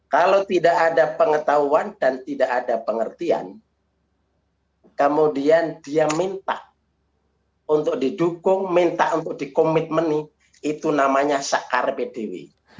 kalau tidak ada pengetahuan dan tidak ada pengertian kemudian dia minta untuk didukung minta untuk dikomitmeni itu namanya sakar pdw